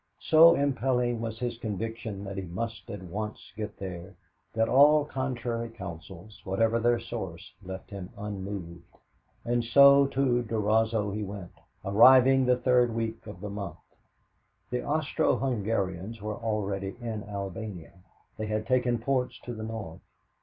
So impelling was his conviction that he must at once get there that all contrary counsels, whatever their source, left him unmoved, and so to Durazzo he went, arriving the third week of the month. The Austro Hungarians were already in Albania; they had taken ports to the north.